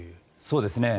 そうですね。